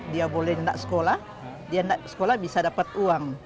dia boleh tidak sekolah dia tidak sekolah bisa dapat uang